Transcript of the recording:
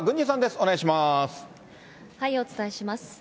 お伝えします。